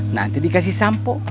nanti dikasih sampo